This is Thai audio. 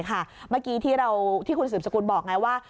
เมื่อกี้ที่คุณสืบสกุลบอกไงว่า